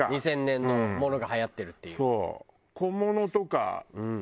２０００年のものがはやってるっていう。